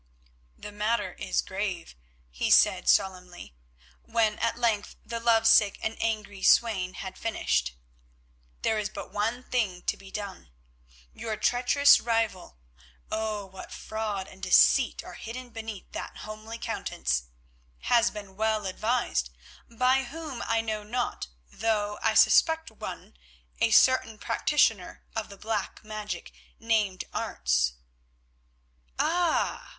"The matter is grave," he said solemnly, when at length the lovesick and angry swain had finished. "There is but one thing to be done. Your treacherous rival—oh! what fraud and deceit are hidden beneath that homely countenance—has been well advised, by whom I know not, though I suspect one, a certain practitioner of the Black Magic, named Arentz——" "Ah!"